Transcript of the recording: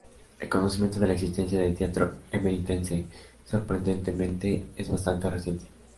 El conocimiento de la existencia del teatro emeritense, sorprendentemente, es bastante reciente.